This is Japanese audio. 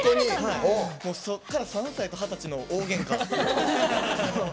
そっから３歳と二十歳の大げんか。